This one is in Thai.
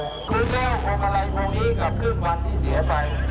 นึกเรื่องพวกอะไรพวกมีกับเครื่องบรรดีเสียใจ